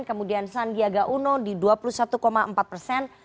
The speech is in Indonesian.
kemudian sandiaga uno di dua puluh satu empat persen